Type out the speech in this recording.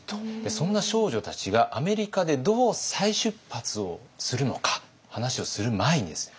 そんな少女たちがアメリカでどう再出発をするのか話をする前にですね